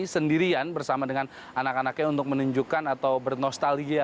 sendirian bersama dengan anak anaknya untuk menunjukkan atau bernostalgia